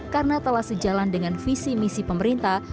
karena telah sejalan dengan visi misi pemerintah